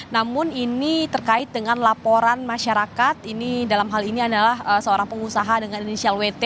namun ini terkait dengan laporan masyarakat ini dalam hal ini adalah seorang pengusaha dengan inisial wt